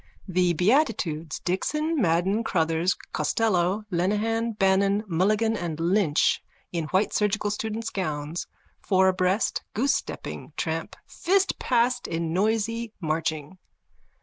_(The beatitudes, Dixon, Madden, Crotthers, Costello, Lenehan, Bannon, Mulligan and Lynch in white surgical students' gowns, four abreast, goosestepping, tramp fast past in noisy marching.)